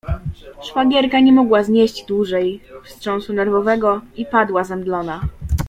Szwagierka nie mogła znieść dłużej wstrząsu nerwowego i padła zemdlona.